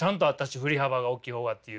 「振り幅が大きい方が」っていう。